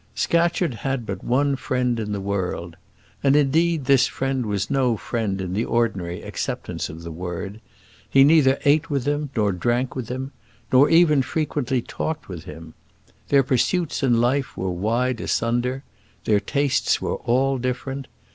Scatcherd had but one friend in the world. And, indeed, this friend was no friend in the ordinary acceptance of the word. He neither ate with him nor drank with him, nor even frequently talked with him. Their pursuits in life were wide asunder. Their tastes were all different.